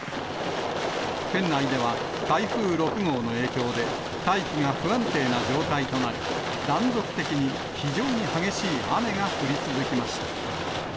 県内では台風６号の影響で、大気が不安定な状態となり、断続的に非常に激しい雨が降り続きました。